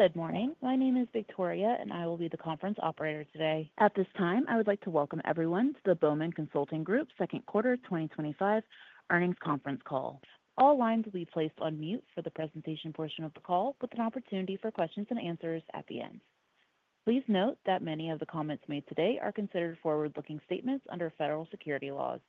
Good morning. My name is Victoria, and I will be the conference operator today. At this time, I would like to welcome everyone to the Bowman Consulting Group Ltd Second Quarter 2025 Earnings conference call. All lines will be placed on mute for the presentation portion of the call, with an opportunity for questions and answers at the end. Please note that many of the comments made today are considered forward-looking statements under federal securities laws.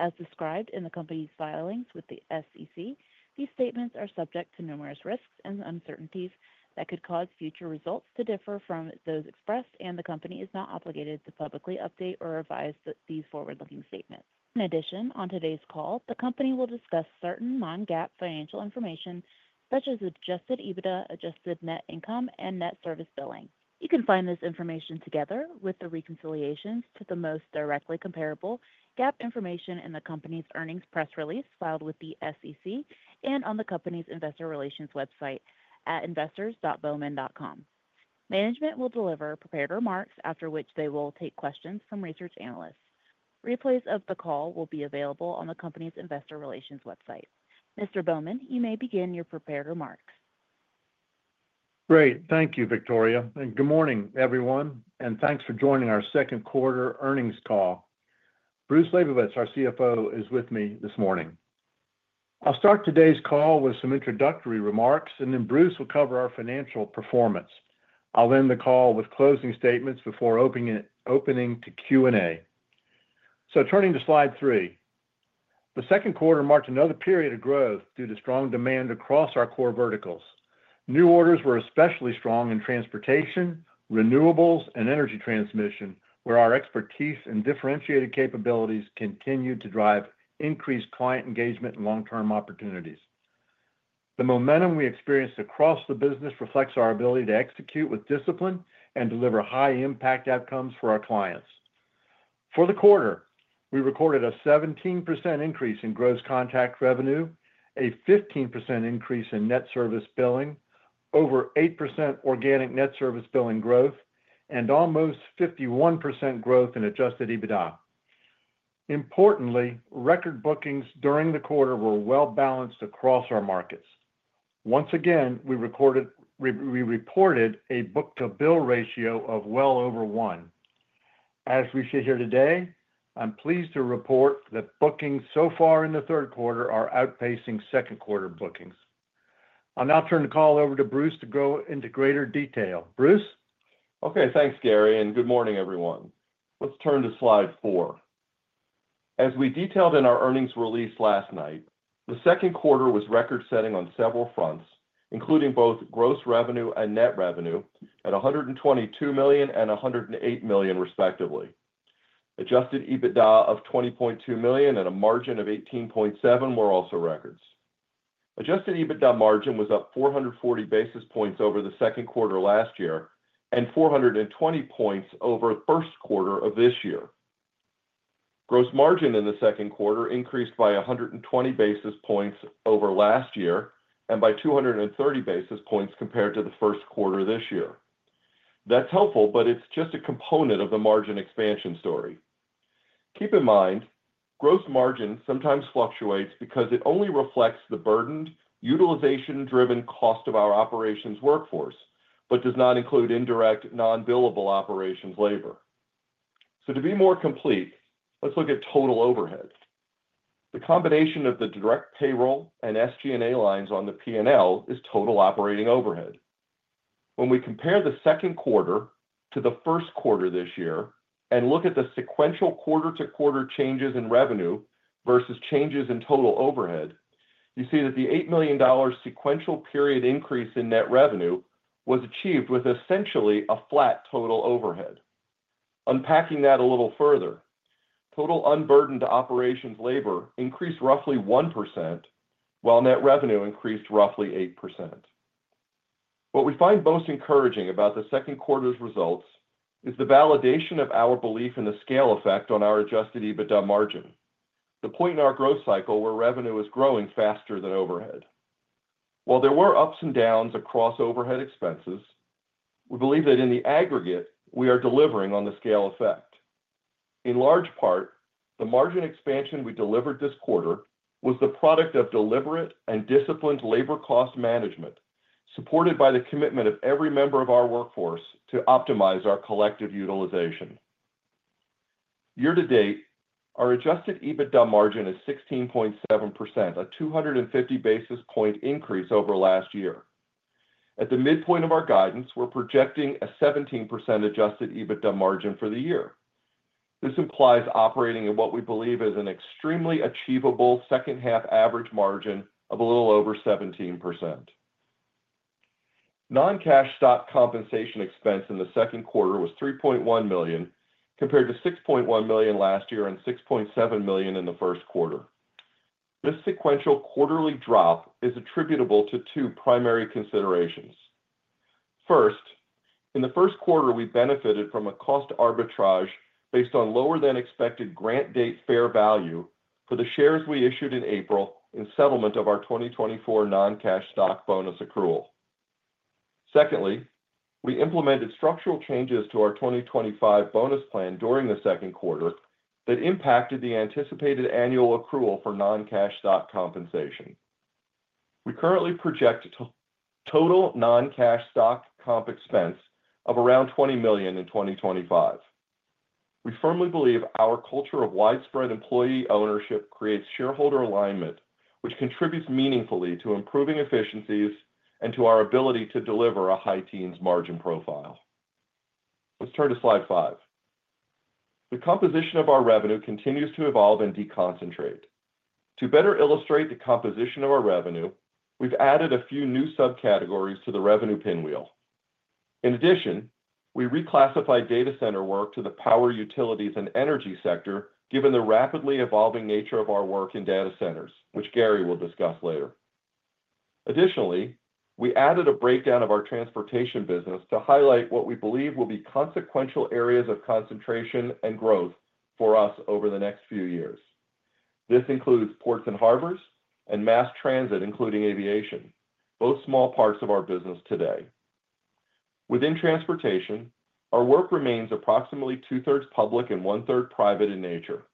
As described in the company's filings with the SEC, these statements are subject to numerous risks and uncertainties that could cause future results to differ from those expressed, and the company is not obligated to publicly update or revise these forward-looking statements. In addition, on today's call, the company will discuss certain non-GAAP financial information, such as adjusted EBITDA, adjusted net income, and net service billing. You can find this information together with the reconciliations to the most directly comparable GAAP information in the company's earnings press release filed with the SEC and on the company's investor relations website at investors.bowman.com. Management will deliver prepared remarks, after which they will take questions from research analysts. Replays of the call will be available on the company's investor relations website. Mr. Bowman, you may begin your prepared remarks. Great. Thank you, Victoria, and good morning, everyone, and thanks for joining our second quarter earnings call. Bruce Labovitz, our CFO, is with me this morning. I'll start today's call with some introductory remarks, and then Bruce will cover our financial performance. I'll end the call with closing statements before opening to Q&A. Turning to slide three, the second quarter marked another period of growth due to strong demand across our core verticals. New orders were especially strong in transportation, renewables, and energy transmission, where our expertise and differentiated capabilities continue to drive increased client engagement and long-term opportunities. The momentum we experienced across the business reflects our ability to execute with discipline and deliver high-impact outcomes for our clients. For the quarter, we recorded a 17% increase in gross contract revenue, a 15% increase in net service billing, over 8% organic net service billing growth, and almost 51% growth in adjusted EBITDA. Importantly, record bookings during the quarter were well-balanced across our markets. Once again, we reported a book-to-bill ratio of well over one. As we sit here today, I'm pleased to report that bookings so far in the third quarter are outpacing second quarter bookings. I'll now turn the call over to Bruce to go into greater detail. Bruce? Okay, thanks, Gary, and good morning, everyone. Let's turn to slide four. As we detailed in our earnings release last night, the second quarter was record-setting on several fronts, including both gross revenue and net revenue at $122 million and $108 million, respectively. Adjusted EBITDA of $20.2 million and a margin of $18.7 million were also records. Adjusted EBITDA margin was up 440 basis points over the second quarter last year and 420 points over the first quarter of this year. Gross margin in the second quarter increased by 120 basis points over last year and by 230 basis points compared to the first quarter this year. That's helpful, but it's just a component of the margin expansion story. Keep in mind, gross margin sometimes fluctuates because it only reflects the burdened, utilization-driven cost of our operations workforce, but does not include indirect, non-billable operations labor. To be more complete, let's look at total overhead. The combination of the direct payroll and SG&A lines on the P&L is total operating overhead. When we compare the second quarter to the first quarter this year and look at the sequential quarter-to-quarter changes in revenue versus changes in total overhead, you see that the $8 million sequential period increase in net revenue was achieved with essentially a flat total overhead. Unpacking that a little further, total unburdened operations labor increased roughly 1%, while net revenue increased roughly 8%. What we find most encouraging about the second quarter's results is the validation of our belief in the scale effect on our adjusted EBITDA margin, the point in our growth cycle where revenue is growing faster than overhead. While there were ups and downs across overhead expenses, we believe that in the aggregate, we are delivering on the scale effect. In large part, the margin expansion we delivered this quarter was the product of deliberate and disciplined labor cost management, supported by the commitment of every member of our workforce to optimize our collective utilization. Year to date, our adjusted EBITDA margin is 16.7%, a 250 basis point increase over last year. At the midpoint of our guidance, we're projecting a 17% adjusted EBITDA margin for the year. This implies operating at what we believe is an extremely achievable second-half average margin of a little over 17%. Non-cash stock compensation expense in the second quarter was $3.1 million compared to $6.1 million last year and $6.7 million in the first quarter. This sequential quarterly drop is attributable to two primary considerations. First, in the first quarter, we benefited from a cost arbitrage based on lower-than-expected grant date fair value for the shares we issued in April in settlement of our 2024 non-cash stock bonus accrual. Secondly, we implemented structural changes to our 2025 bonus plan during the second quarter that impacted the anticipated annual accrual for non-cash stock compensation. We currently project total non-cash stock comp expense of around $20 million in 2025. We firmly believe our culture of widespread employee ownership creates shareholder alignment, which contributes meaningfully to improving efficiencies and to our ability to deliver a high-teens margin profile. Let's turn to slide five. The composition of our revenue continues to evolve and deconcentrate. To better illustrate the composition of our revenue, we've added a few new subcategories to the revenue pinwheel. In addition, we reclassified data center work to the power, utilities, and energy sector, given the rapidly evolving nature of our work in data centers, which Gary will discuss later. Additionally, we added a breakdown of our transportation business to highlight what we believe will be consequential areas of concentration and growth for us over the next few years. This includes ports and harbors and mass transit, including aviation, both small parts of our business today. Within transportation, our work remains approximately two-thirds public and one-third private in nature.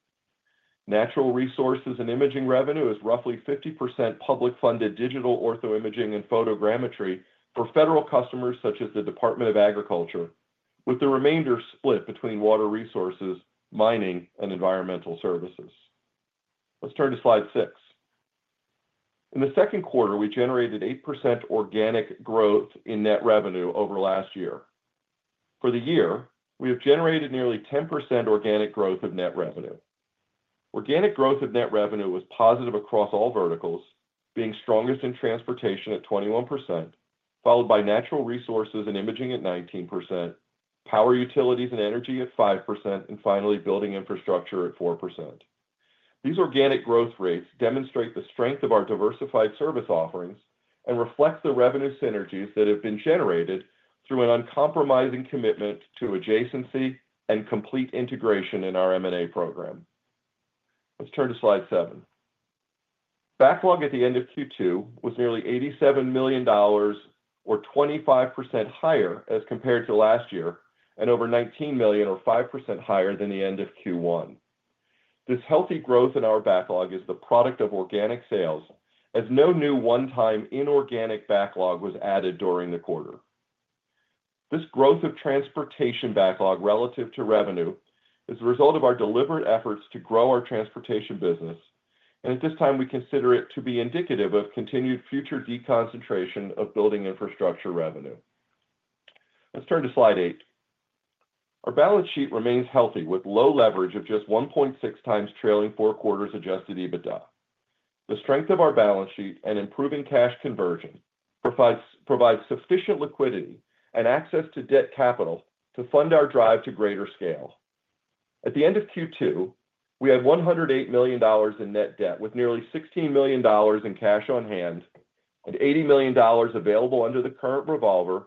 Natural resources and imaging revenue is roughly 50% public-funded digital ortho imaging and photogrammetry for federal customers such as the Department of Agriculture, with the remainder split between water resources, mining, and environmental services. Let's turn to slide six. In the second quarter, we generated 8% organic growth in net revenue over last year. For the year, we have generated nearly 10% organic growth of net revenue. Organic growth of net revenue was positive across all verticals, being strongest in transportation at 21%, followed by natural resources and imaging at 19%, power, utilities, and energy at 5%, and finally, building infrastructure at 4%. These organic growth rates demonstrate the strength of our diversified service offerings and reflect the revenue synergies that have been generated through an uncompromising commitment to adjacency and complete integration in our M&A program. Let's turn to slide seven. Backlog at the end of Q2 was nearly $87 million, or 25% higher as compared to last year, and over $19 million, or 5% higher than the end of Q1. This healthy growth in our backlog is the product of organic sales, as no new one-time inorganic backlog was added during the quarter. This growth of transportation backlog relative to revenue is the result of our deliberate efforts to grow our transportation business, and at this time, we consider it to be indicative of continued future deconcentration of building infrastructure revenue. Let's turn to slide eight. Our balance sheet remains healthy with low leverage of just 1.6 times trailing four quarters adjusted EBITDA. The strength of our balance sheet and improving cash conversion provide sufficient liquidity and access to debt capital to fund our drive to greater scale. At the end of Q2, we had $108 million in net debt, with nearly $16 million in cash on hand and $80 million available under the current revolver,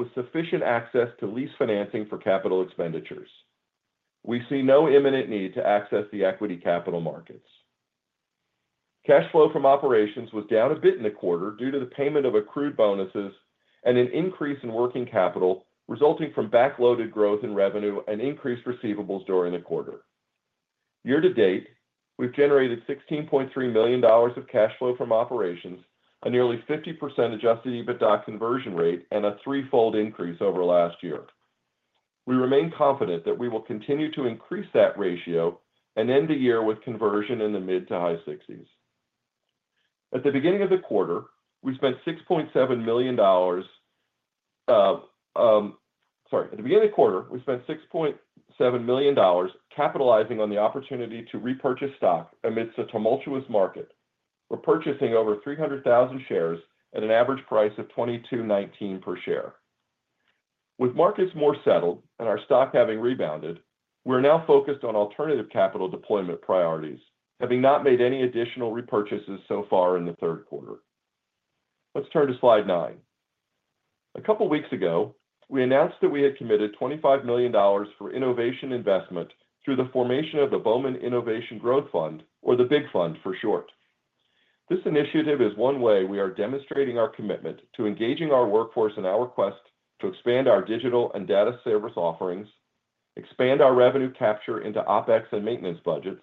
with sufficient access to lease financing for capital expenditures. We see no imminent need to access the equity capital markets. Cash flow from operations was down a bit in the quarter due to the payment of accrued bonuses and an increase in working capital resulting from backloaded growth in revenue and increased receivables during the quarter. Year to date, we've generated $16.3 million of cash flow from operations, a nearly 50% adjusted EBITDA conversion rate, and a threefold increase over last year. We remain confident that we will continue to increase that ratio and end the year with conversion in the mid to high 60s. At the beginning of the quarter, we spent $6.7 million capitalizing on the opportunity to repurchase stock amidst a tumultuous market, repurchasing over 300,000 shares at an average price of $22.19 per share. With markets more settled and our stock having rebounded, we're now focused on alternative capital deployment priorities, having not made any additional repurchases so far in the third quarter. Let's turn to slide nine. A couple of weeks ago, we announced that we had committed $25 million for innovation investment through the formation of the Bowman Innovation Growth Fund, or the BIG Fund for short. This initiative is one way we are demonstrating our commitment to engaging our workforce in our quest to expand our digital and data service offerings, expand our revenue capture into OpEx and maintenance budgets,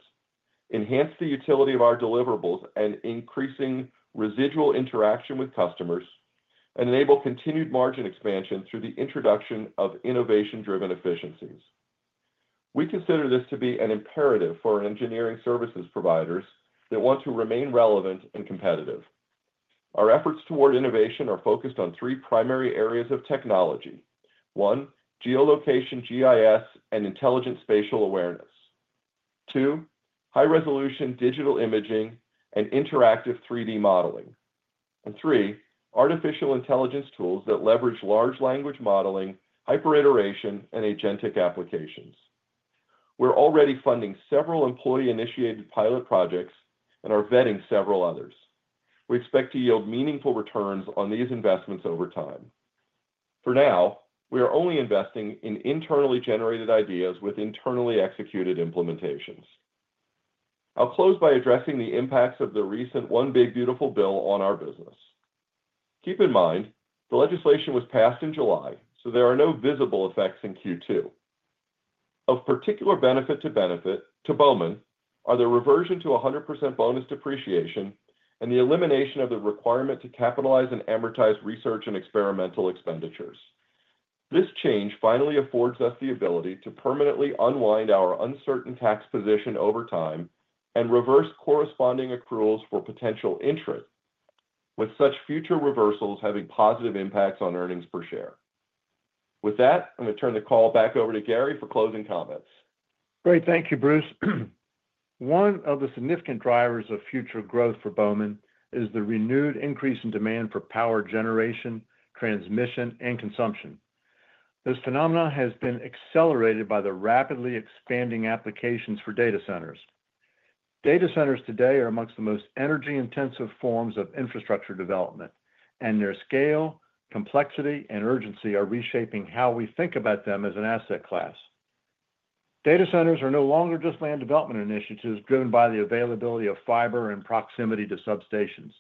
enhance the utility of our deliverables and increasing residual interaction with customers, and enable continued margin expansion through the introduction of innovation-driven efficiencies. We consider this to be an imperative for engineering services providers that want to remain relevant and competitive. Our efforts toward innovation are focused on three primary areas of technology: one, geolocation GIS and intelligent spatial awareness; two, high-resolution digital imaging and interactive 3D modeling; and three, artificial intelligence tools that leverage large language modeling, hyperiteration, and agentic applications. We're already funding several employee-initiated pilot projects and are vetting several others. We expect to yield meaningful returns on these investments over time. For now, we are only investing in internally generated ideas with internally executed implementations. I'll close by addressing the impacts of the recent One Big Beautiful Bill on our business. Keep in mind, the legislation was passed in July, so there are no visible effects in Q2. Of particular benefit to Bowman are the reversion to 100% bonus depreciation and the elimination of the requirement to capitalize and amortize research and experimental expenditures. This change finally affords us the ability to permanently unwind our uncertain tax position over time and reverse corresponding accruals for potential interest, with such future reversals having positive impacts on earnings per share. With that, I'm going to turn the call back over to Gary for closing comments. Great, thank you, Bruce. One of the significant drivers of future growth for Bowman is the renewed increase in demand for power generation, transmission, and consumption. This phenomenon has been accelerated by the rapidly expanding applications for data centers. Data centers today are amongst the most energy-intensive forms of infrastructure development, and their scale, complexity, and urgency are reshaping how we think about them as an asset class. Data centers are no longer just land development initiatives driven by the availability of fiber and proximity to substations.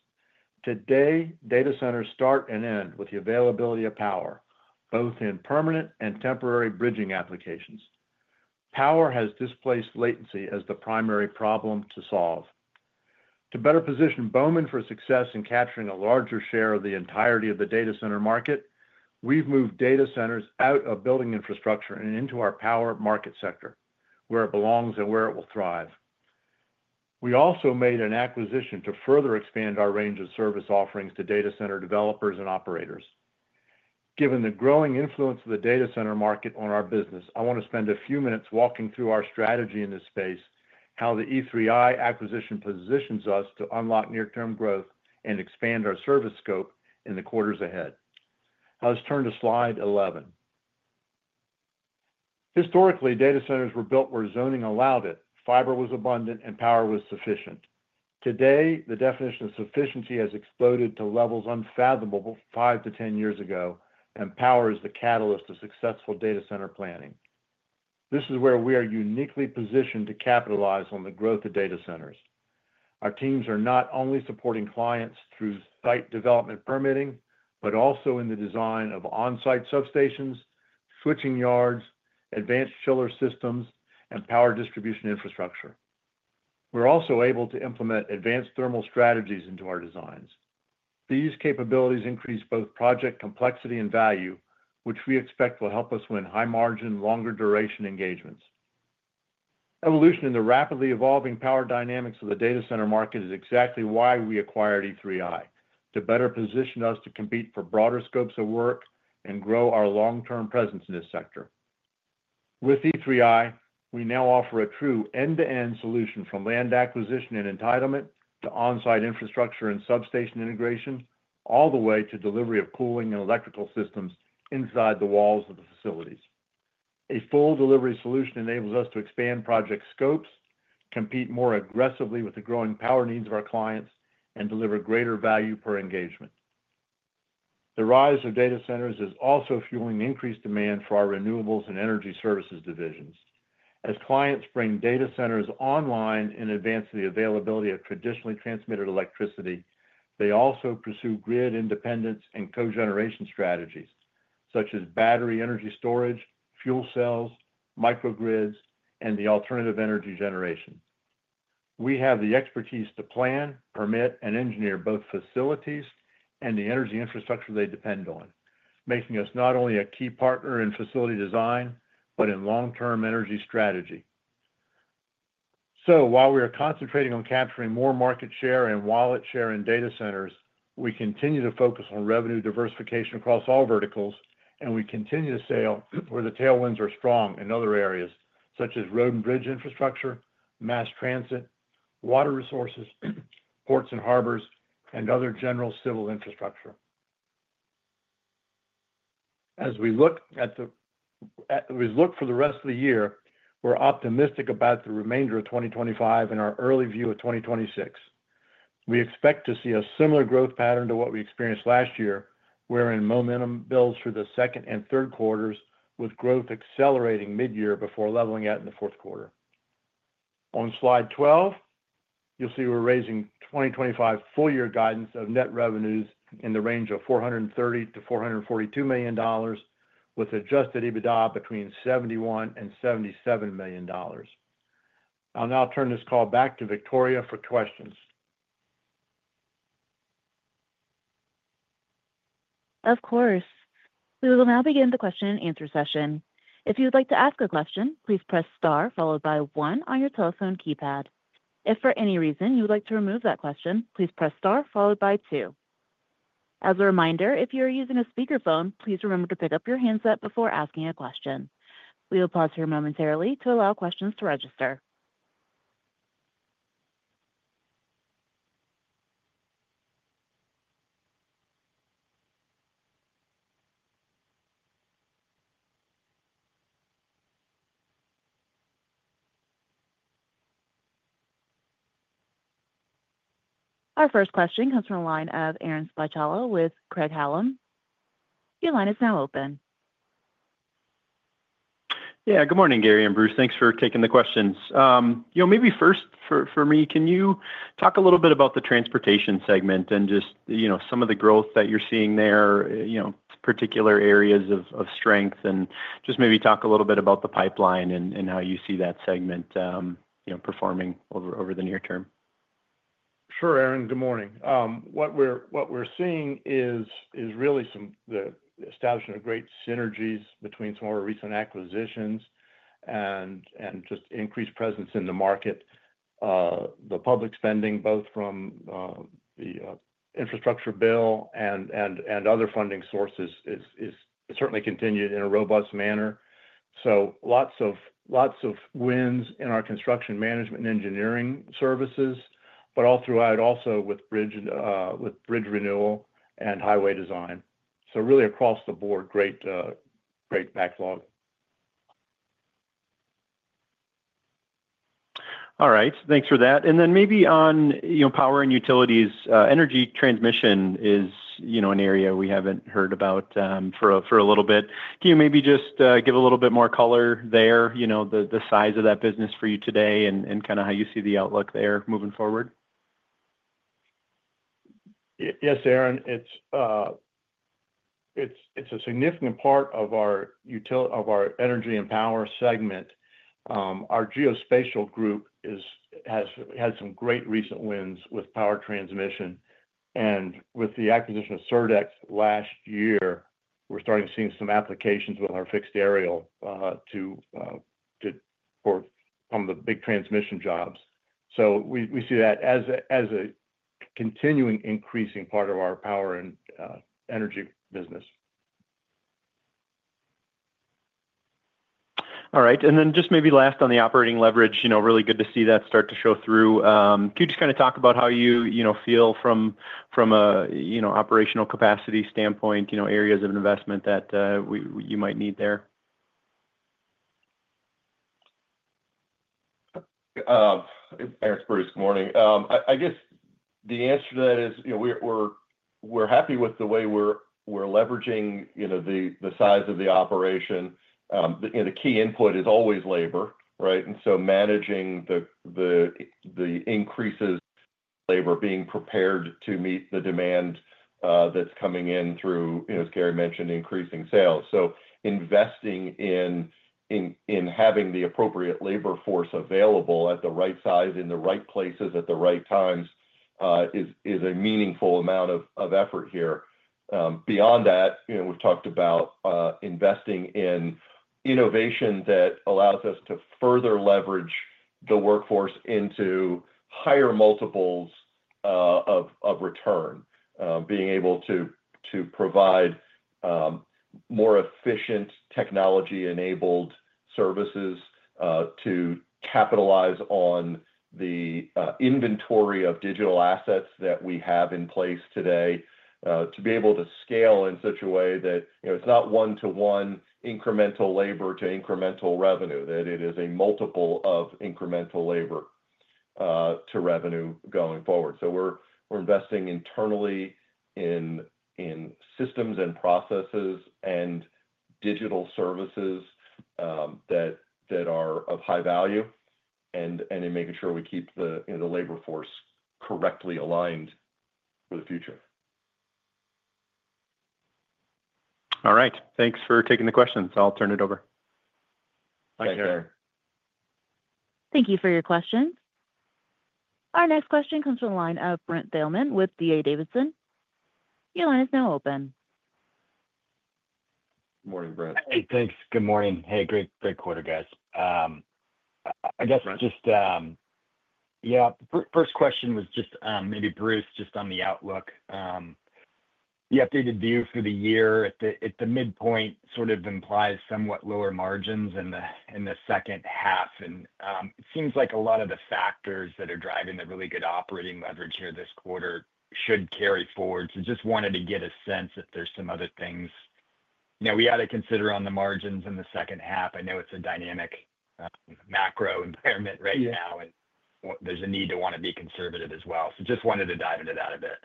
Today, data centers start and end with the availability of power, both in permanent and temporary bridging applications. Power has displaced latency as the primary problem to solve. To better position Bowman for success in capturing a larger share of the entirety of the data center market, we've moved data centers out of building infrastructure and into our power market sector, where it belongs and where it will thrive. We also made an acquisition to further expand our range of service offerings to data center developers and operators. Given the growing influence of the data center market on our business, I want to spend a few minutes walking through our strategy in this space, how the e3i acquisition positions us to unlock near-term growth and expand our service scope in the quarters ahead. Let's turn to slide 11. Historically, data centers were built where zoning allowed it, fiber was abundant, and power was sufficient. Today, the definition of sufficiency has exploded to levels unfathomable five to ten years ago, and power is the catalyst to successful data center planning. This is where we are uniquely positioned to capitalize on the growth of data centers. Our teams are not only supporting clients through site development permitting, but also in the design of onsite substations, switching yards, advanced chiller systems, and power distribution infrastructure. We're also able to implement advanced thermal strategies into our designs. These capabilities increase both project complexity and value, which we expect will help us win high margin, longer duration engagements. Evolution in the rapidly evolving power dynamics of the data center market is exactly why we acquired e3i, to better position us to compete for broader scopes of work and grow our long-term presence in this sector. With e3i, we now offer a true end-to-end solution from land acquisition and entitlement to onsite infrastructure and substation integration, all the way to delivery of cooling and electrical systems inside the walls of the facilities. A full delivery solution enables us to expand project scopes, compete more aggressively with the growing power needs of our clients, and deliver greater value per engagement. The rise of data centers is also fueling increased demand for our renewables and energy services divisions. As clients bring data centers online in advance of the availability of traditionally transmitted electricity, they also pursue grid independence and co-generation strategies, such as battery energy storage, fuel cells, microgrids, and alternative energy generation. We have the expertise to plan, permit, and engineer both facilities and the energy infrastructure they depend on, making us not only a key partner in facility design, but in long-term energy strategy. While we are concentrating on capturing more market share and wallet share in data centers, we continue to focus on revenue diversification across all verticals, and we continue to sail where the tailwinds are strong in other areas, such as road and bridge infrastructure, mass transit, water resources, ports and harbors, and other general civil infrastructure. As we look at the rest of the year, we're optimistic about the remainder of 2025 and our early view of 2026. We expect to see a similar growth pattern to what we experienced last year, wherein momentum builds for the second and third quarters, with growth accelerating mid-year before leveling out in the fourth quarter. On slide 12, you'll see we're raising 2025 full-year guidance of net revenues in the range of $430-$442 million, with adjusted EBITDA between $71 and $77 million. I'll now turn this call back to Victoria for questions. Of course. We will now begin the question and answer session. If you would like to ask a question, please press * followed by 1 on your telephone keypad. If for any reason you would like to remove that question, please press * followed by 2. As a reminder, if you are using a speakerphone, please remember to pick up your handset before asking a question. We will pause here momentarily to allow questions to register. Our first question comes from a line of Aaron Spychalla with Craig-Hallum. Your line is now open. Good morning, Gary and Bruce. Thanks for taking the questions. Maybe first for me, can you talk a little bit about the transportation segment and just some of the growth that you're seeing there, particular areas of strength, and maybe talk a little bit about the pipeline and how you see that segment performing over the near term? Sure, Aaron, good morning. What we're seeing is really some of the establishment of great synergies between some of our recent acquisitions and just increased presence in the market. The public spending, both from the infrastructure bill and other funding sources, has certainly continued in a robust manner. Lots of wins in our construction management and engineering services, all throughout also with bridge renewal and highway design. Really across the board, great backlog. All right, thanks for that. Maybe on power and utilities, energy transmission is an area we haven't heard about for a little bit. Can you maybe just give a little bit more color there, you know, the size of that business for you today and kind of how you see the outlook there moving forward? Yes, Aaron, it's a significant part of our energy and power segment. Our geospatial group has had some great recent wins with power transmission. With the acquisition of CertX last year, we're starting to see some applications with our fixed aerial to perform the big transmission jobs. We see that as a continuing increasing part of our power and energy business. All right, just maybe last on the operating leverage, really good to see that start to show through. Can you just kind of talk about how you feel from an operational capacity standpoint, you know, areas of investment that you might need there? Good morning. I guess the answer to that is, you know, we're happy with the way we're leveraging, you know, the size of the operation. The key input is always labor, right? Managing the increases of labor, being prepared to meet the demand that's coming in through, you know, as Gary mentioned, increasing sales. Investing in having the appropriate labor force available at the right size, in the right places, at the right times is a meaningful amount of effort here. Beyond that, you know, we've talked about investing in innovation that allows us to further leverage the workforce into higher multiples of return, being able to provide more efficient technology-enabled services to capitalize on the inventory of digital assets that we have in place today, to be able to scale in such a way that, you know, it's not one-to-one incremental labor to incremental revenue, that it is a multiple of incremental labor to revenue going forward. We're investing internally in systems and processes and digital services that are of high value and in making sure we keep the labor force correctly aligned for the future. All right, thanks for taking the questions. I'll turn it over. All right, Aaron. Thank you for your question. Our next question comes from the line of Brent Thielman with D.A. Davidson. Your line is now open. Morning, Brent. Hey, thanks. Good morning. Hey, great quarter, guys. I guess just, yeah, first question was just maybe Bruce, just on the outlook. The updated view for the year at the midpoint sort of implies somewhat lower margins in the second half. It seems like a lot of the factors that are driving the really good operating leverage here this quarter should carry forward. I just wanted to get a sense if there's some other things, you know, we ought to consider on the margins in the second half. I know it's a dynamic macro environment right now, and there's a need to want to be conservative as well. I just wanted to dive into that a bit.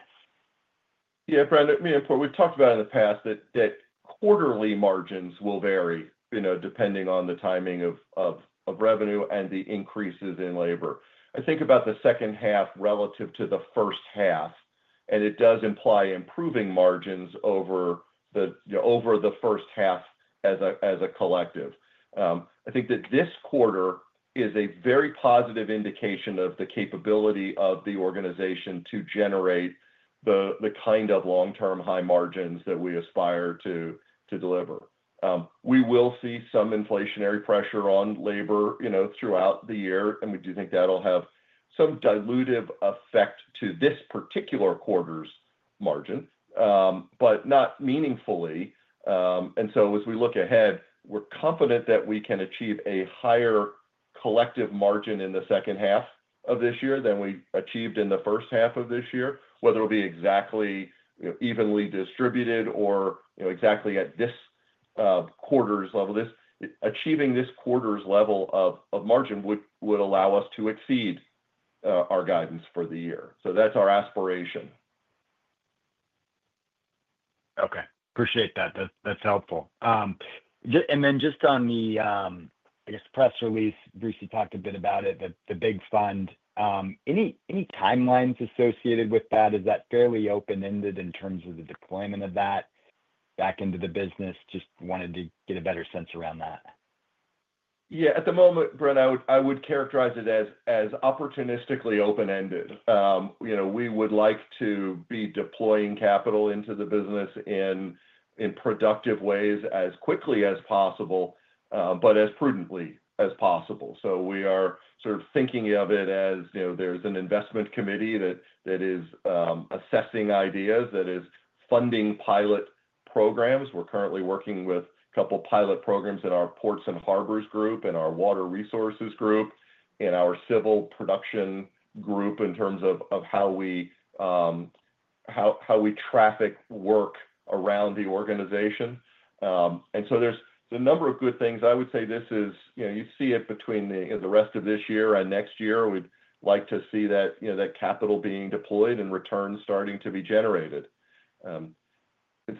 Yeah, Brent, I mean, we've talked about it in the past that quarterly margins will vary, you know, depending on the timing of revenue and the increases in labor. I think about the second half relative to the first half, and it does imply improving margins over the first half as a collective. I think that this quarter is a very positive indication of the capability of the organization to generate the kind of long-term high margins that we aspire to deliver. We will see some inflationary pressure on labor, you know, throughout the year, and we do think that'll have some dilutive effect to this particular quarter's margin, but not meaningfully. And so as we look ahead, we're confident that we can achieve a higher collective margin in the second half of this year than we achieved in the first half of this year, whether it'll be exactly evenly distributed or exactly at this quarter's level. Achieving this quarter's level of margin would allow us to exceed our guidance for the year. That's our aspiration. Okay, appreciate that. That's helpful. On the, I guess, press release, Bruce, you talked a bit about it, the BIG Fund. Any timelines associated with that? Is that fairly open-ended in terms of the deployment of that back into the business? Just wanted to get a better sense around that. Yeah, at the moment, Brent, I would characterize it as opportunistically open-ended. We would like to be deploying capital into the business in productive ways as quickly as possible, but as prudently as possible. We are sort of thinking of it as, you know, there's an investment committee that is assessing ideas, that is funding pilot programs. We're currently working with a couple of pilot programs in our ports and harbors group, in our water resources group, in our civil production group in terms of how we traffic work around the organization. There's a number of good things. I would say this is, you know, you see it between the rest of this year and next year. We'd like to see that capital being deployed and returns starting to be generated. It's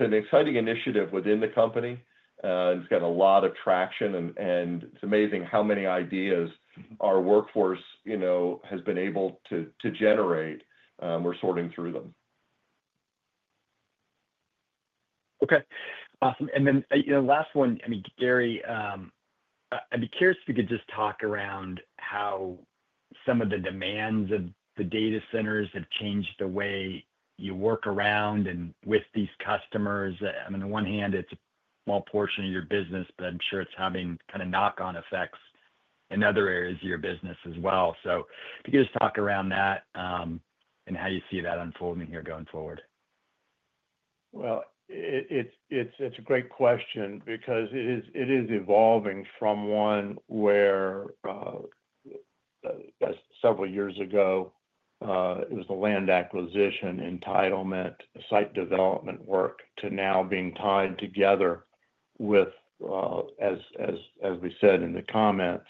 an exciting initiative within the company. It's got a lot of traction, and it's amazing how many ideas our workforce has been able to generate. We're sorting through them. Okay, awesome. Gary, I'd be curious if you could just talk around how some of the demands of the data centers have changed the way you work around and with these customers. On the one hand, it's a small portion of your business, but I'm sure it's having kind of knock-on effects in other areas of your business as well. If you could just talk around that and how you see that unfolding here going forward. It's a great question because it is evolving from one where, several years ago, it was the land acquisition, entitlement, site development work to now being tied together with, as we said in the comments,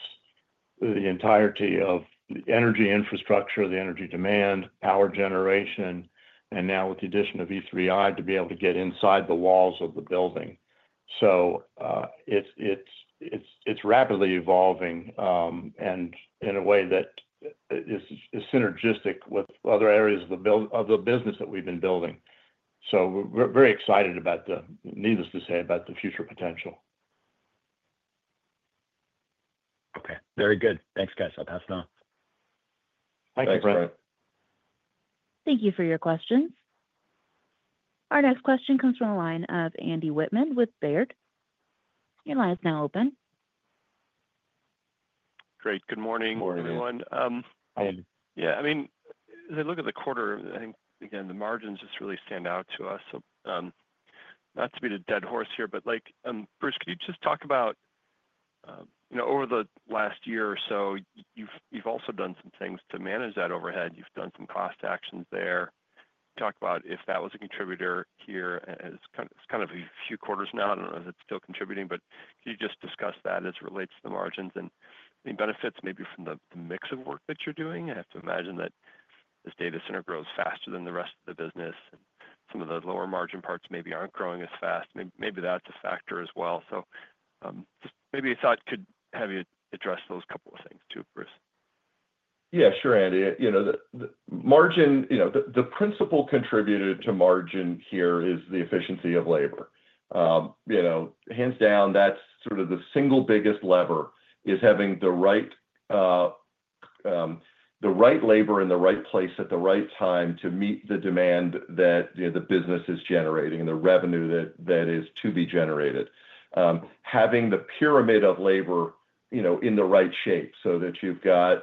the entirety of the energy infrastructure, the energy demand, power generation, and now with the addition of e3i to be able to get inside the walls of the building. It's rapidly evolving in a way that is synergistic with other areas of the business that we've been building. We're very excited, needless to say, about the future potential. Okay, very good. Thanks, guys. I'll pass it on. Thanks, Brent. Thank you for your questions. Our next question comes from a line of Andy Wittmann with Baird. Your line is now open. Great, good morning, everyone. Hi. Yeah, I mean, as I look at the quarter, I think, again, the margins just really stand out to us. Not to beat a dead horse here, but like, Bruce, could you just talk about, you know, over the last year or so, you've also done some things to manage that overhead. You've done some cost actions there. You talked about if that was a contributor here, and it's kind of a few quarters now. I don't know if it's still contributing, but could you just discuss that as it relates to the margins and any benefits maybe from the mix of work that you're doing? I have to imagine that this data center grows faster than the rest of the business. Some of the lower margin parts maybe aren't growing as fast. Maybe that's a factor as well. Just maybe a thought, could have you address those couple of things too, Bruce. Yeah, sure, Andy. The margin, the principal contributor to margin here is the efficiency of labor. Hands down, that's sort of the single biggest lever, having the right labor in the right place at the right time to meet the demand that the business is generating and the revenue that is to be generated. Having the pyramid of labor in the right shape so that you've got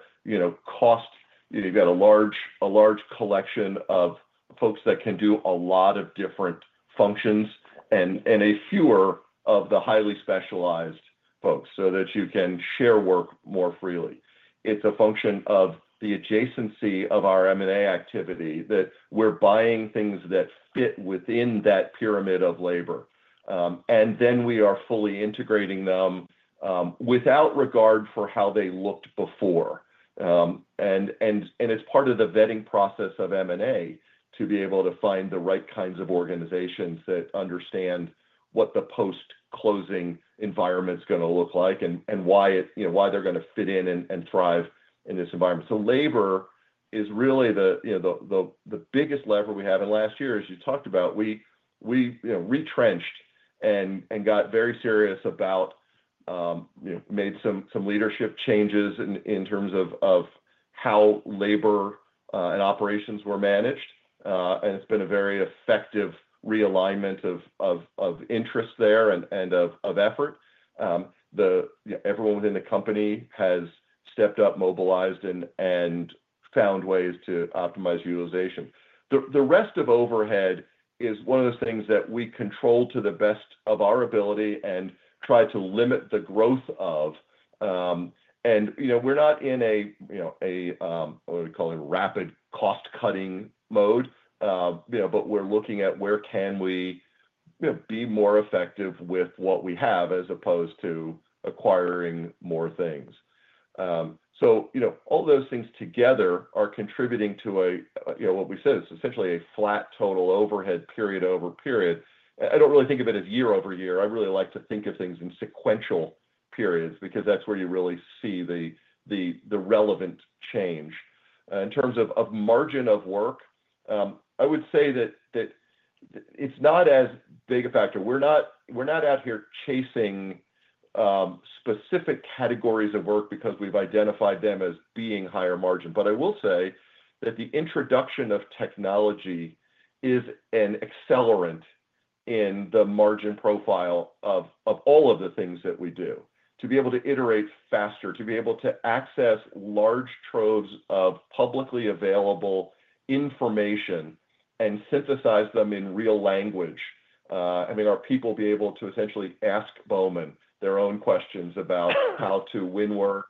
cost, you've got a large collection of folks that can do a lot of different functions and fewer of the highly specialized folks so that you can share work more freely. It's a function of the adjacency of our M&A activity that we're buying things that fit within that pyramid of labor, and then we are fully integrating them without regard for how they looked before. And it's part of the vetting process of M&A to be able to find the right kinds of organizations that understand what the post-closing environment is going to look like and why they're going to fit in and thrive in this environment. Labor is really the biggest lever we have. Last year, as you talked about, we retrenched and got very serious about, made some leadership changes in terms of how labor and operations were managed. It's been a very effective realignment of interest there and of effort. Everyone within the company has stepped up, mobilized, and found ways to optimize utilization. The rest of overhead is one of those things that we control to the best of our ability and try to limit the growth of. And we're not in what we call a rapid cost-cutting mode, but we're looking at where we can be more effective with what we have as opposed to acquiring more things. All those things together are contributing to what we said, it's essentially a flat total overhead period over period. I don't really think of it as year over year. I really like to think of things in sequential periods because that's where you really see the relevant change. In terms of margin of work, I would say that it's not as big a factor. We're not out here chasing specific categories of work because we've identified them as being higher margin. I will say that the introduction of technology is an accelerant in the margin profile of all of the things that we do. To be able to iterate faster, to be able to access large troves of publicly available information and synthesize them in real language, having our people be able to essentially ask Bowman their own questions about how to win work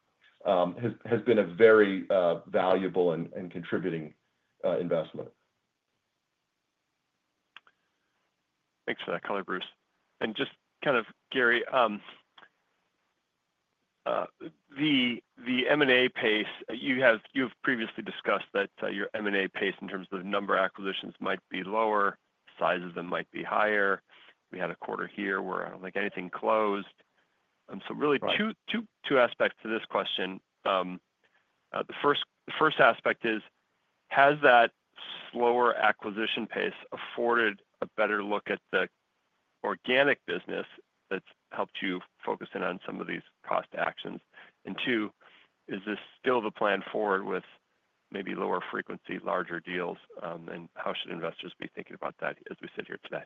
has been a very valuable and contributing investment. Thanks for that color, Bruce. And just Gary, the M&A pace, you have previously discussed that your M&A pace in terms of number of acquisitions might be lower, size of them might be higher. We had a quarter here where I don't think anything closed. There are really two aspects to this question. The first aspect is, has that lower acquisition pace afforded a better look at the organic business that's helped you focus in on some of these cost actions? Two, is this still the plan forward with maybe lower frequency, larger deals, and how should investors be thinking about that as we sit here today?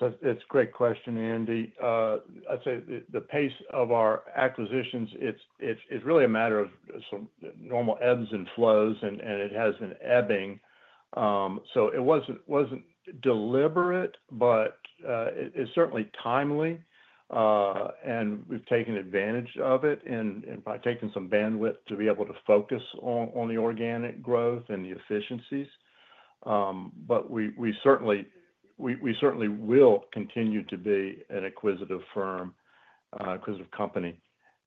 It's a great question, Andy. I'd say the pace of our acquisitions is really a matter of some normal ebbs and flows, and it has an ebbing. It wasn't deliberate, but it's certainly timely, and we've taken advantage of it by taking some bandwidth to be able to focus on the organic growth and the efficiencies. We certainly will continue to be an acquisitive firm, acquisitive company,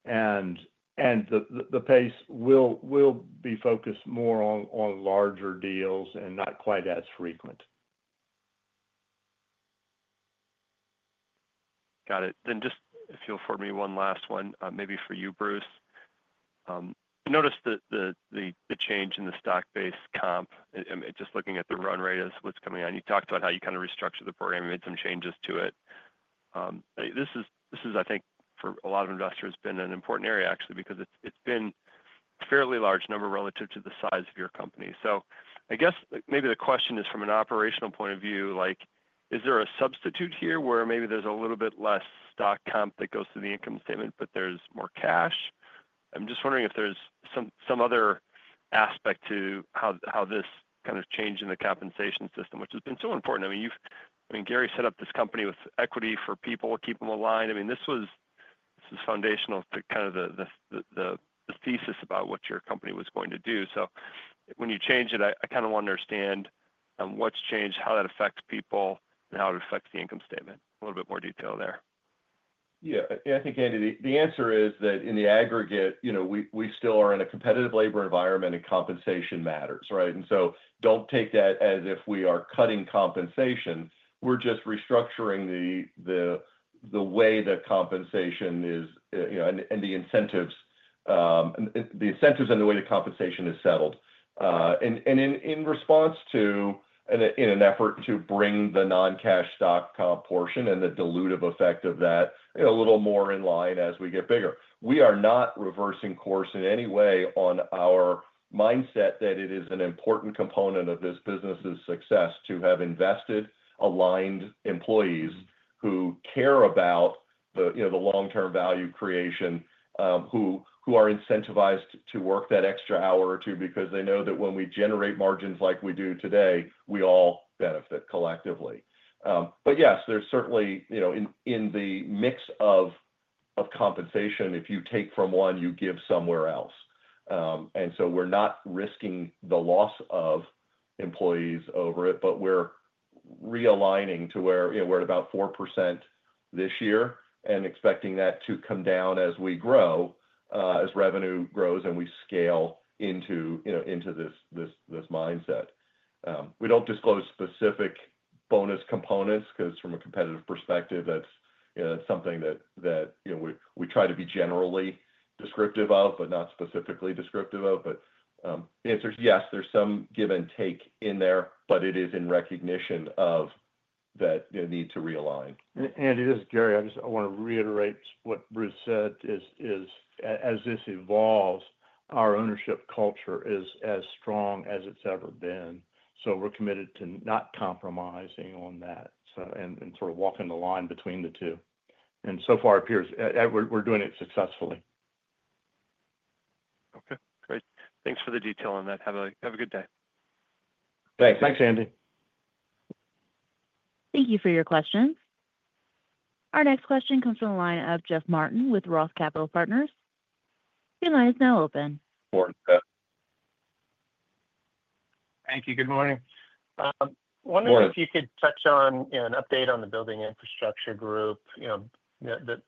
and the pace will be focused more on larger deals and not quite as frequent. Got it. If you'll afford me one last one, maybe for you, Bruce. Notice the change in the stock-based comp. I'm just looking at the run rate as what's coming on. You talked about how you kind of restructured the program and made some changes to it. This is, I think, for a lot of investors, been an important area, actually, because it's been a fairly large number relative to the size of your company. I guess maybe the question is from an operational point of view, like, is there a substitute here where maybe there's a little bit less stock comp that goes to the income statement, but there's more cash? I'm just wondering if there's some other aspect to how this kind of change in the compensation system, which has been so important. I mean, Gary, you set up this company with equity for people, keep them aligned. I mean, this was foundational to kind of the thesis about what your company was going to do. When you change it, I kind of want to understand what's changed, how that affects people, and how it affects the income statement. A little bit more detail there. Yeah, I think, Andy, the answer is that in the aggregate, you know, we still are in a competitive labor environment and compensation matters, right? Don't take that as if we are cutting compensation. We're just restructuring the way that compensation is, and the incentives and the way that compensation is settled. In response to, and in an effort to bring the non-cash stock comp portion and the dilutive effect of that a little more in line as we get bigger, we are not reversing course in any way on our mindset that it is an important component of this business's success to have invested aligned employees who care about the long-term value creation, who are incentivized to work that extra hour or two because they know that when we generate margins like we do today, we all benefit collectively. But yes, there's certainly, in the mix of compensation, if you take from one, you give somewhere else. We're not risking the loss of employees over it, but we're realigning to where we're at about 4% this year and expecting that to come down as we grow, as revenue grows and we scale into this mindset. We don't disclose specific bonus components because from a competitive perspective, that's something that we try to be generally descriptive of, but not specifically descriptive of. The answer is yes, there's some give and take in there, but it is in recognition of that need to realign. Andy this is Gary, I just want to reiterate what Bruce said. As this evolves, our employee ownership culture is as strong as it's ever been. We're committed to not compromising on that and sort of walking the line between the two. And so far it appears we're doing it successfully. Okay, great. Thanks for the detail on that. Have a good day. Thanks. Thanks, Andy. Thank you for your questions. Our next question comes from a line of Jeff Martin with Roth Capital Partners. Your line is now open. Morning, Jeff. Thank you, good morning. Wonderful if you could touch on, you know, an update on the building infrastructure group, you know, the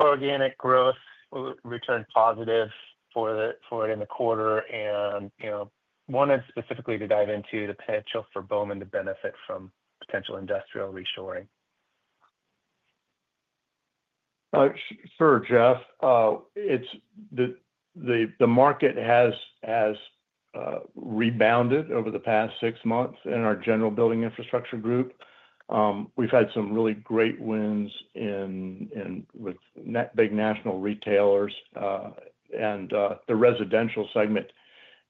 organic growth return positive for it in the quarter. I wanted specifically to dive into the potential for Bowman to benefit from potential industrial reshoring. Sure, Jeff. The market has rebounded over the past six months in our general building infrastructure group. We've had some really great wins with big national retailers, and the residential segment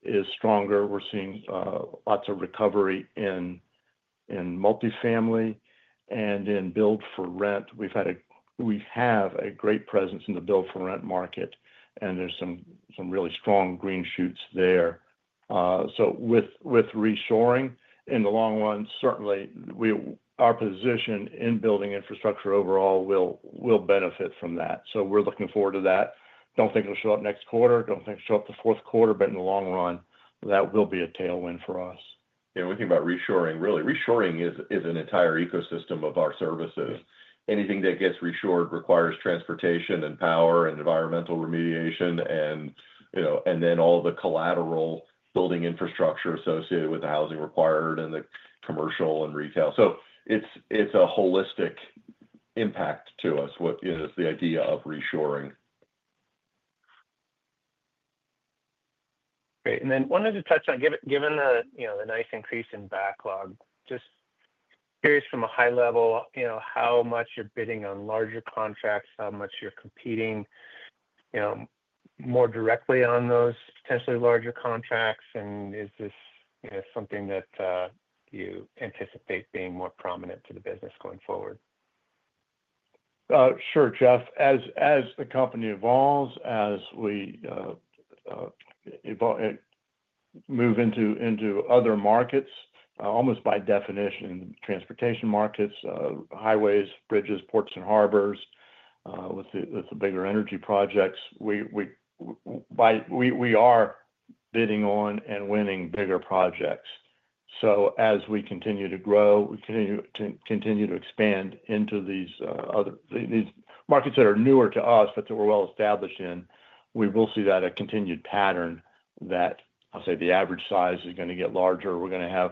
is stronger. We're seeing lots of recovery in multifamily and in build-for-rent. We have a great presence in the build-for-rent market, and there's some really strong green shoots there. With reshoring in the long run, certainly our position in building infrastructure overall will benefit from that. We're looking forward to that. I don't think it'll show up next quarter. I don't think it'll show up the fourth quarter, but in the long run, that will be a tailwind for us. We think about reshoring really, reshoring is an entire ecosystem of our services. Anything that gets restored requires transportation and power and environmental remediation, and all the collateral building infrastructure associated with the housing required and the commercial and retail. It's a holistic impact to us, what is the idea of restoring. Great. I wanted to touch on, given the nice increase in backlog, just curious from a high level how much you're bidding on larger contracts, how much you're competing more directly on those potentially larger contracts, and is this something that you anticipate being more prominent to the business going forward? Sure, Jeff. As the company evolves, as we move into other markets, almost by definition, transportation markets, highways, bridges, ports, and harbors, with the bigger energy projects, we are bidding on and winning bigger projects. As we continue to grow, we continue to expand into these other markets that are newer to us, but that we're well established in, we will see that a continued pattern that I'll say the average size is going to get larger. We're going to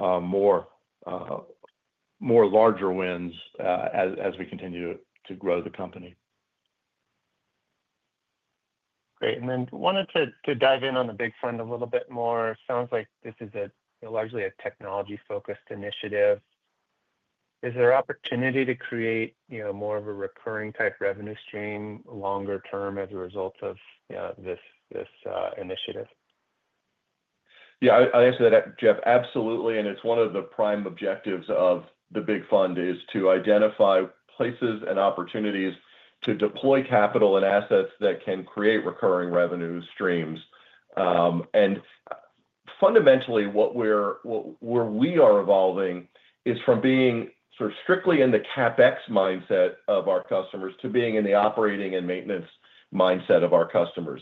have more larger wins as we continue to grow the company. Great. I wanted to dive in on the BIG Fund a little bit more. It sounds like this is largely a technology-focused initiative. Is there an opportunity to create, you know, more of a recurring type revenue stream longer term as a result of this initiative? Yeah, I'll answer that, Jeff, absolutely. It's one of the prime objectives of the BIG Fund to identify places and opportunities to deploy capital and assets that can create recurring revenue streams. Fundamentally, where we are evolving is from being sort of strictly in the CapEx mindset of our customers to being in the operating and maintenance mindset of our customers.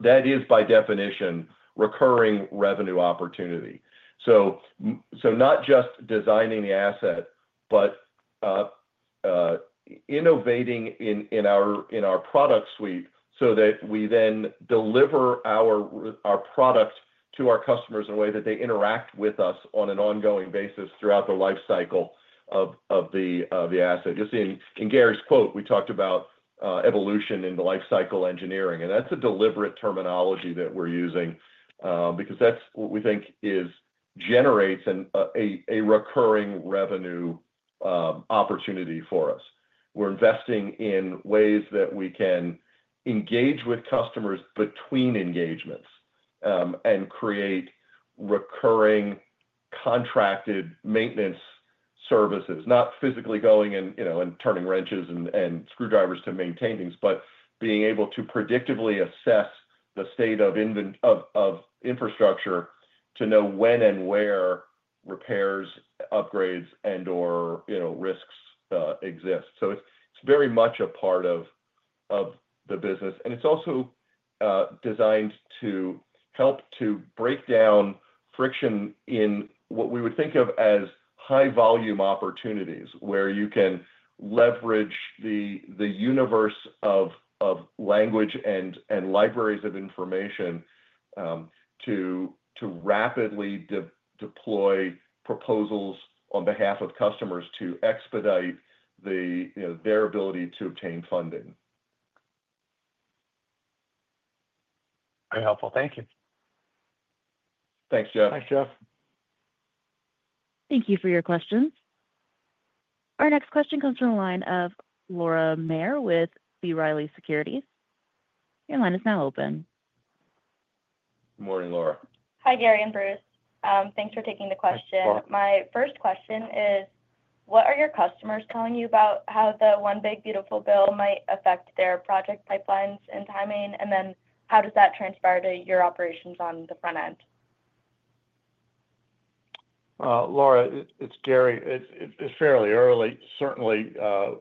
That is, by definition, recurring revenue opportunity. Not just designing the asset, but innovating in our product suite so that we then deliver our product to our customers in a way that they interact with us on an ongoing basis throughout the lifecycle of the asset. Just in Gary's quote, we talked about evolution in the lifecycle engineering. That's a deliberate terminology that we're using because that's what we think generates a recurring revenue opportunity for us. We're investing in ways that we can engage with customers between engagements and create recurring contracted maintenance services, not physically going and turning wrenches and screwdrivers to maintain things, but being able to predictably assess the state of infrastructure to know when and where repairs, upgrades, and/or risks exist. It's very much a part of the business. And it's also designed to help to break down friction in what we would think of as high-volume opportunities where you can leverage the universe of language and libraries of information to rapidly deploy proposals on behalf of customers to expedite their ability to obtain funding. Very helpful. Thank you. Thanks, Jeff. Thanks, Jeff. Thank you for your questions. Our next question comes from a line of Laura Mayer with B. Riley Securities. Your line is now open. Morning, Laura. Hi, Gary and Bruce. Thanks for taking the question. My first question is, what are your customers telling you about how the One Big Beautiful Bill might affect their project pipelines and timing, and then how does that transfer to your operations on the front end? Laura, it's Gary. It's fairly early. Certainly, the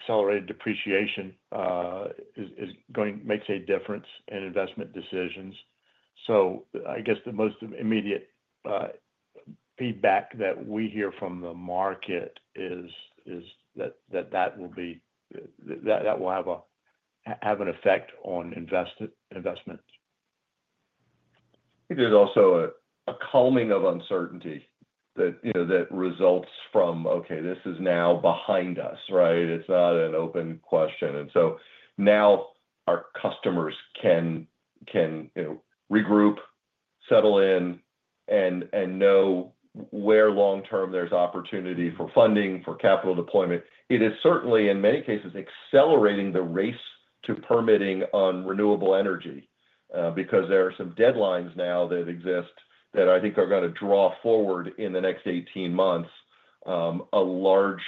accelerated depreciation makes a difference in investment decisions. I guess the most immediate feedback that we hear from the market is that that will have an effect on investments. It is also a calming of uncertainty that, you know, results from, okay, this is now behind us, right? It's not an open question. Now our customers can regroup, settle in, and know where long-term there's opportunity for funding, for capital deployment. It is certainly, in many cases, accelerating the race to permitting on renewable energy because there are some deadlines now that exist that I think are going to draw forward in the next 18 months a large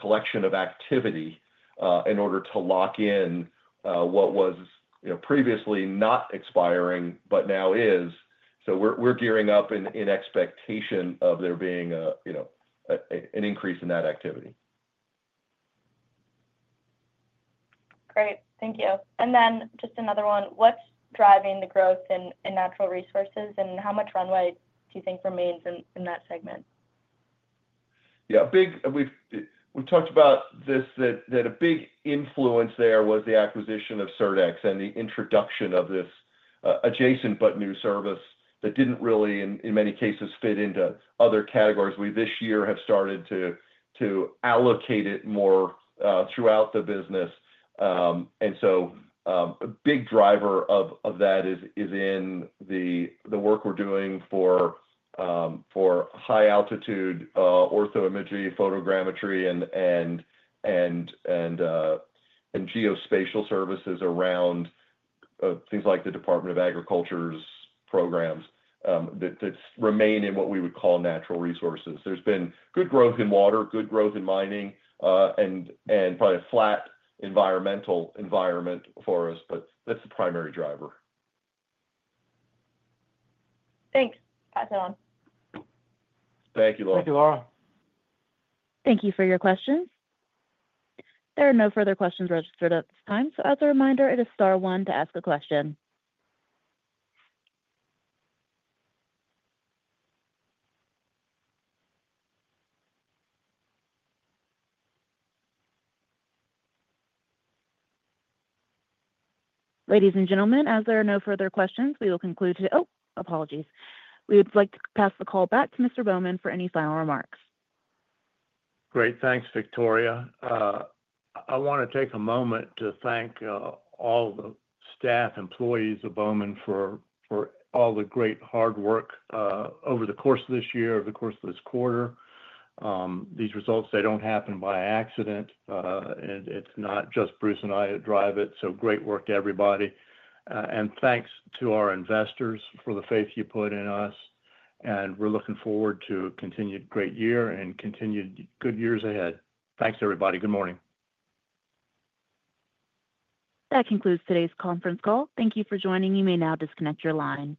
collection of activity in order to lock in what was previously not expiring but now is. We're gearing up in expectation of there being an increase in that activity. Great, thank you. Just another one, what's driving the growth in natural resources and how much runway do you think remains in that segment? Yeah, we've talked about this, that a big influence there was the acquisition of CertX and the introduction of this adjacent but new service that didn't really, in many cases, fit into other categories. We this year have started to allocate it more throughout the business. A big driver of that is in the work we're doing for high-altitude orthoimagery, photogrammetry, and geospatial solutions around things like the Department of Agriculture's programs that remain in what we would call natural resources. There's been good growth in water, good growth in mining, and probably a flat environmental environment for us, but that's the primary driver. Thanks. Pass it on. Thank you, Laura. Thank you, Laura. Thank you for your question. There are no further questions registered at this time. As a reminder, it is *1 to ask a question. Ladies and gentlemen, as there are no further questions, we will conclude today. Apologies. We would like to pass the call back to Mr. Bowman for any final remarks. Great, thanks, Victoria. I want to take a moment to thank all the staff, employees of Bowman for all the great hard work over the course of this year, over the course of this quarter. These results don't happen by accident, and it's not just Bruce Labovitz and I that drive it. Great work to everybody. Thanks to our investors for the faith you put in us, and we're looking forward to a continued great year and continued good years ahead. Thanks, everybody. Good morning. That concludes today's conference call. Thank you for joining. You may now disconnect your line.